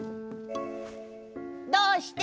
どうして？